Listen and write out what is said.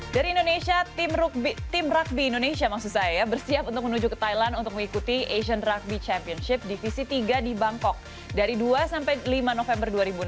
dari indonesia tim rugby indonesia maksud saya bersiap untuk menuju ke thailand untuk mengikuti asian rugby championship divisi tiga di bangkok dari dua sampai lima november dua ribu enam belas